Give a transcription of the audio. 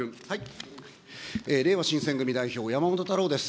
れいわ新選組代表、山本太郎です。